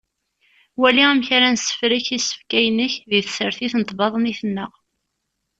Wali amek ad nessefrek isefka yinek di tsertit n tbaḍnit-nneɣ.